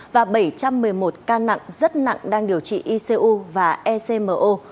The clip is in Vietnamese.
và bảy trăm một mươi một ca nặng rất nặng đang điều trị icu và ecmo